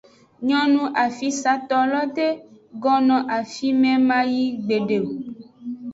Nyonu afisato lo de gonno afime mayi gbede o.